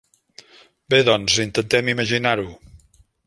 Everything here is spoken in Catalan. Bé, doncs, intentem imaginar-ho.